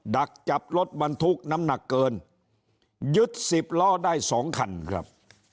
ดักจับรถบรรทุกน้ำหนักเกินยึดสิบล้อได้สองคันครับ